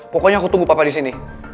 pokoknya aku tunggu papa di sini